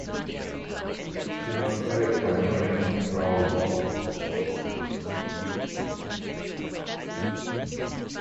She was played by Marianne Fraulo.